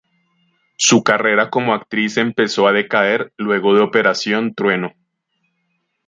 Su carrera como actriz empezó a decaer luego de "Operación Trueno".